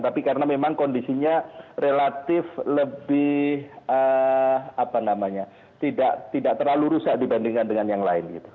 tapi karena memang kondisinya relatif lebih tidak terlalu rusak dibandingkan dengan yang lain gitu